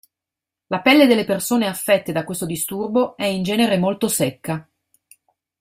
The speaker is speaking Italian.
La pelle delle persone affette da questo disturbo, è in genere molto secca.